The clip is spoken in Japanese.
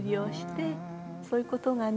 そういうことがね